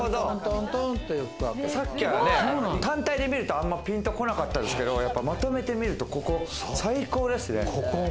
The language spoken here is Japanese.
単体で見ると、あんまピンとこなかったですけど、まとめて見ると、ここ最高ですね！